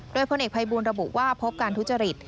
โดยพลเอกภัยบูลระบุว่าพบการทุจริต